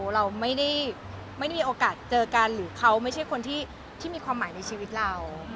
เราไม่ได้มีโอกาสเจอกันหรือเขาไม่ใช่คนที่มีความหมายในชีวิตเรา